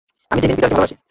আমি ডেভিন পিটারকে ভালোবাসি!